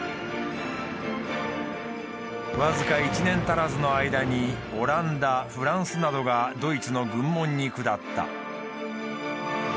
僅か１年足らずの間にオランダフランスなどがドイツの軍門に下った。